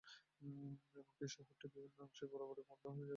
এমনকি শহরটির বিভিন্ন অংশ এরই বন্ধ পুরোপুরি যোগাযোগ বিচ্ছিন্ন হয়ে পড়েছে।